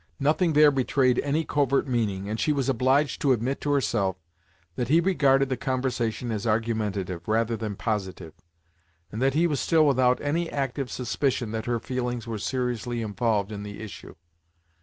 Nothing there betrayed any covert meaning, and she was obliged to admit to herself, that he regarded the conversation as argumentative, rather than positive, and that he was still without any active suspicion that her feelings were seriously involved in the issue.